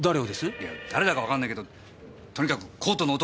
いや誰だかわかんないけどとにかくコートの男。